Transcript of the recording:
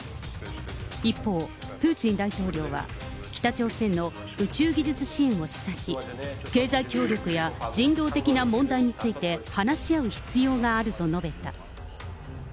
一方、プーチン大統領は北朝鮮の宇宙技術支援を示唆し、経済協力や人道的な問題について話し合う必要があると述べた。